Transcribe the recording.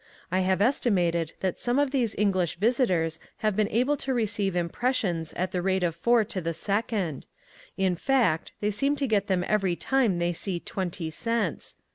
I have estimated that some of these English visitors have been able to receive impressions at the rate of four to the second; in fact, they seem to get them every time they see twenty cents.